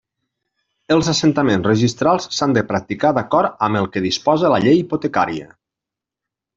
Els assentaments registrals s'han de practicar d'acord amb el que disposa la Llei hipotecària.